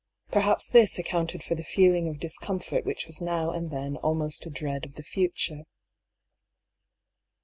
Perhaps this accounted for the feeling of discomfort which was now and then almost a dread of the future.